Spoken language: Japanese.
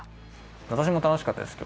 わたしも楽しかったです